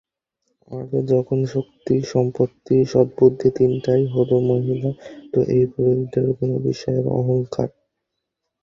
আরে যখন শক্তি, সম্পত্তি, সৎবুদ্ধি তিনটাই হলো মহিলা, তো এই পুরুষদের কোন বিষয়ের অংকার?